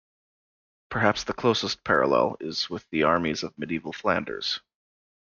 Perhaps the closest parallel is with the armies of medieval Flanders.